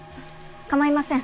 構いません。